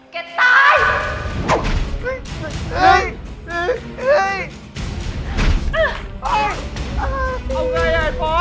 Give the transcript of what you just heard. เกะตาย